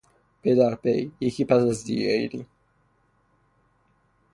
پی در پی، یکی پس از دیگری